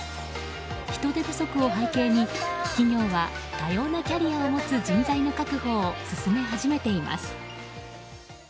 人手不足を背景に、企業は多様なキャリアを持つ人材の確保を進め始めています。